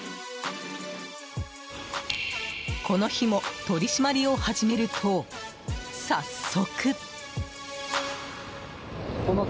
この日も取り締まりを始めると早速。